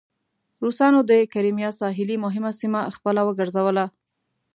روسانو د کریمیا ساحلي مهمه سیمه خپله وګرځوله.